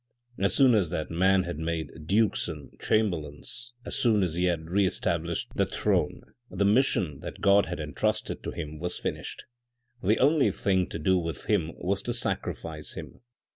As soon as that man had made dukes and chamberlains, as soon as he had re established the throne, the mission that God had entrusted to him was finished. The only thing to do with him was to sacrifice him.